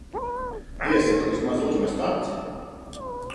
Iesaku vismaz uzmest aci.